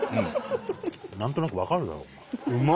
何となく分かるだろお前。